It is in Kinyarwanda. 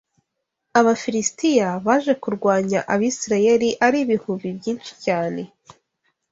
Abafilisitiya baje kurwanya Abisirayeli ari ibihumbi byinshi cyane